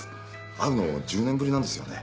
会うの１０年ぶりなんですよね？